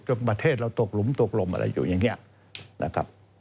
ก็ประเทศเราตกหลุมตกลมอะไรอยู่อย่างนี้นะครับ